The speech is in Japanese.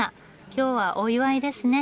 今日はお祝いですね。